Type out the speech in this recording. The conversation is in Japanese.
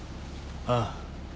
ああ。